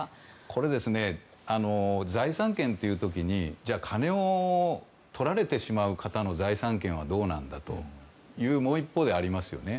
これ、財産権という時にじゃあ、金をとられてしまう方の財産権はどうなんだというのがもう一方でありますよね。